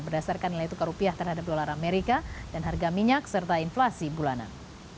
berdasarkan nilai tukar rupiah terhadap dolar amerika dan harga minyak serta inflasi bulanan